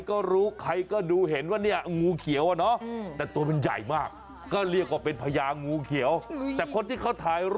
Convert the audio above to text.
โอ้โหดูที่เขียวเลยเขียวเลย